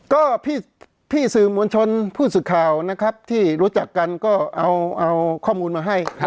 ก็พี่สื่อมวลชนผู้สื่อข่าวนะครับที่รู้จักกันก็เอาข้อมูลมาให้